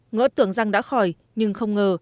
ngỡ tưởng rằng đã khỏi nhưng không ngờ